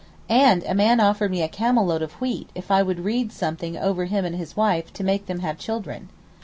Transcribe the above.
And a man offered me a camel load of wheat if I would read something over him and his wife to make them have children.